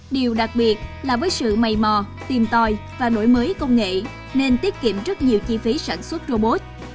điều đặc biệt là với sự mây mò tìm tòi và nổi mới công nghệ nên tiết kiệm rất nhiều chi phí sản xuất robot